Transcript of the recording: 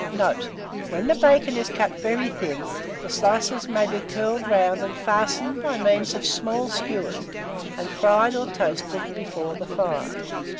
Note. When the bacon is cut very thin, the slices may be curled round and fastened by means of small skewers, and fried or toasted before the fire.